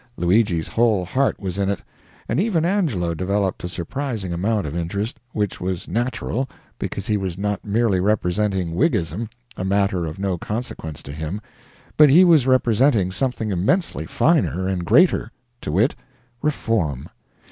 Luigi's whole heart was in it, and even Angelo developed a surprising amount of interest which was natural, because he was not merely representing Whigism, a matter of no consequence to him; but he was representing something immensely finer and greater to wit, Reform.